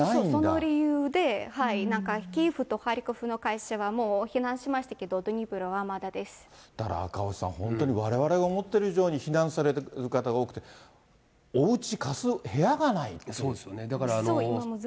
その理由で、キーウとハリコフの会社はもう避難しましたけれども、ドニプロはだから、赤星さん、われわれは思っている以上に避難される方が多くて、おうち貸す部屋がないそうですよね。